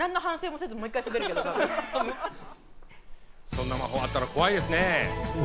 そんな魔法あったら怖いですね。